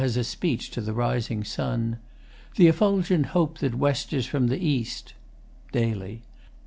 has a speech to the rising sun Th' effulgent hope that westers from the east | Daily.